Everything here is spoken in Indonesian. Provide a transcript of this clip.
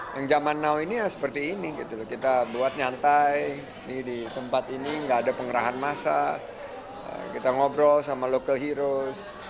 yang zaman now ini ya seperti ini gitu loh kita buat nyantai di tempat ini nggak ada pengerahan masa kita ngobrol sama local heroes